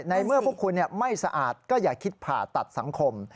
ในเมื่อพวกคุณไม่สะอาดก็อย่าคิดผ่าตัดสังคม